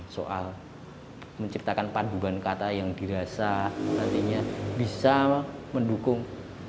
soal menciptakan panduban kata yang dirasa nantinya bisa mendukung